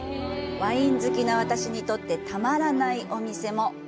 ワイン好きな私にとってたまらないお店も。